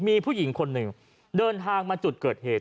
มีผู้หญิงคนหนึ่งเดินทางมาจุดเกิดเหตุ